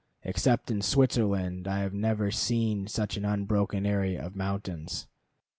Except in Switzerland, I have never seen such an unbroken area of mountains.